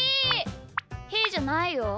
ひーじゃないよ。